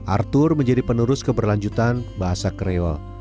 arthur menjadi penerus keberlanjutan bahasa kreol